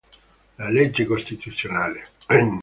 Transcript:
La legge costituzionale n.